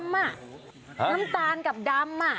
น้ำตาลกับดำ